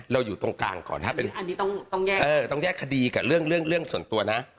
เราอยู่ตรงกลางก่อนครับอันนี้ต้องต้องแยกเออต้องแยกคดีกับเรื่องเรื่องเรื่องส่วนตัวนะ